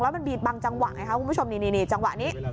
แล้วมันบีบบังจังหวะไงครับคุณผู้ชมนี่จังหวะนี้